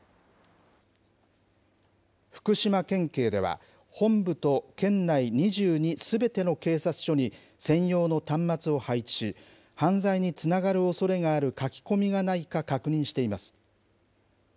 福島県警では、本部と県内２２すべての警察署に専用の端末を配置し、犯罪につながるおそれがある書き込みがないか確認しています。